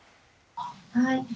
はい。